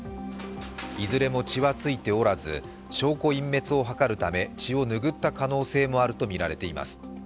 いずれも血はついておらず証拠隠滅を図るため血を拭った可能性もあるとみられています。